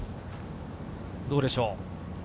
どうでしょう？